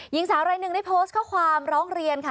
หญิงสาวรายหนึ่งได้โพสต์ข้อความร้องเรียนค่ะ